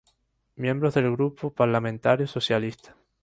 Miembro del Grupo Parlamentario Socialista.